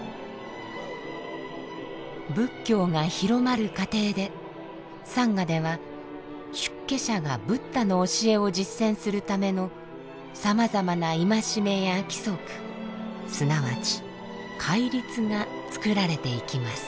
仏教が広まる過程でサンガでは出家者がブッダの教えを実践するためのさまざまな戒めや規則すなわち戒律がつくられていきます。